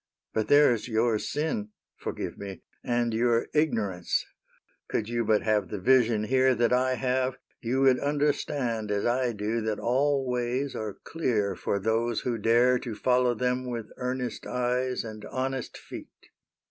But there 's your sin *' Forgive me !— and your ignorance : Could you but have the vision here That I have, you would understand As I do that all ways are clear " For those who dare to follow them With earnest eyes and honest feet.